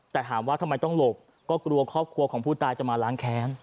แต่ถามว่าทำไมต้องหลบก็กลัวครอบครัวของผู้ตายจะมาล้างแค้น